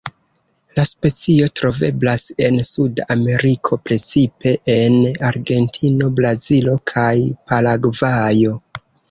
La specio troveblas en Suda Ameriko, precipe en Argentino, Brazilo kaj Paragvajo.